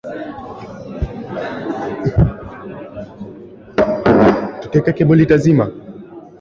wa mahiri sana maanake ukiwaona wachezaji kama theo walcot